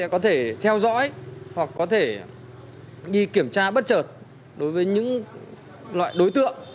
có thể theo dõi hoặc có thể đi kiểm tra bất chợt đối với những loại đối tượng